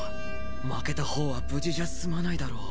負けた方は無事じゃ済まないだろう。